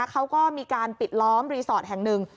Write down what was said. เขาก็มีการปิดล้อมรีสอร์ทแห่งหนึ่ง